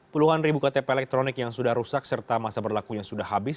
puluhan ribu ktp elektronik yang sudah rusak serta masa berlakunya sudah habis